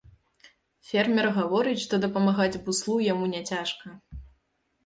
Фермер гаворыць, што дапамагаць буслу яму няцяжка.